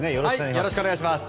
よろしくお願いします。